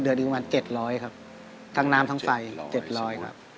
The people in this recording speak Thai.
หนึ่งประมาณ๗๐๐ครับทั้งน้ำทั้งไฟ๗๐๐ครับ